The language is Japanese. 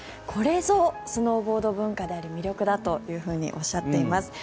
これぞスノーボード文化であり魅力だとおっしゃっています。